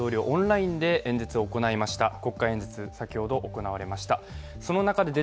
オンラインで演説を行いました。